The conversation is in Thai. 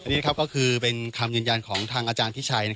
นี่ก็คือเป็นคำยืนยันของทางอาจารย์พิชัย